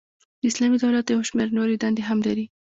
د اسلامی دولت یو شمیر نوري دندي هم لري.